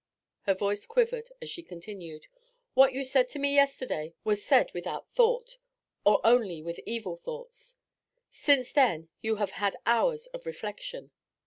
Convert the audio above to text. Her voice quivered, as she continued, 'What you said to me yesterday was said without thought, or only with evil thoughts. Since then you have had hours of reflection.